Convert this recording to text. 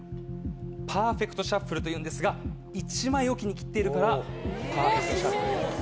パーフェクトシャッフルというんですが１枚置きに切っているからパーフェクトシャッフルです。